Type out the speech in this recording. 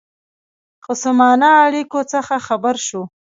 خصمانه اړېکو څخه خبر شو.